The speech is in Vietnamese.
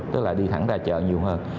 tức là đi thẳng ra chợ nhiều hơn